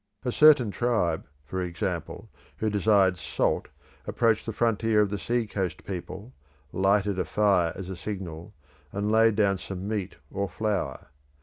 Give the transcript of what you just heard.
A certain tribe, for example, who desired salt approached the frontier of the sea coast people, lighted a fire as a signal, and laid down some meat or flour.